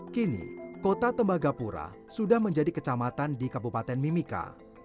kini kota tembagapura sudah menjadi kecamatan di kabupaten mimika